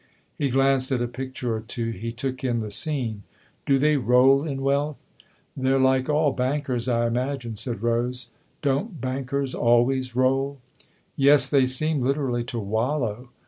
He glanced at a picture or two he took in the scene. " Do they roll in wealth ?" "They're like all bankers, I imagine," said Rose. " Don't bankers always roll ?" "Yes, they seem literally to wallow.